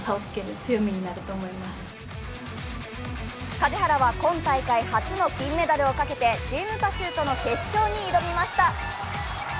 梶原は今大会初の金メダルをかけて、チームパシュートの決勝に挑みました。